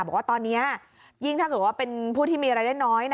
บอกว่าตอนนี้ยิ่งถ้าเกิดว่าเป็นผู้ที่มีรายได้น้อย